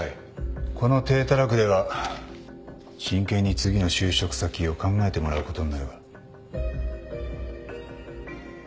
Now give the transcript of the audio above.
この体たらくでは真剣に次の就職先を考えてもらうことになるが。